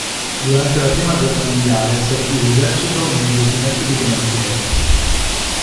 Durante la prima guerra mondiale, servì l'esercito in un reggimento di granatieri.